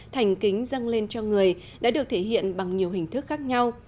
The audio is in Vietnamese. thành kính dâng lên cho người đã được thể hiện bằng nhiều hình thức khác nhau